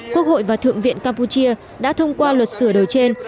quốc hội và thượng viện campuchia đã thông qua luật sửa đổi trên